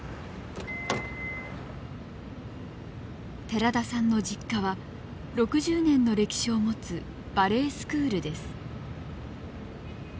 寺田さんの実家は６０年の歴史を持つバレエスクールです。